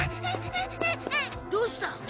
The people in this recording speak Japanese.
どうした？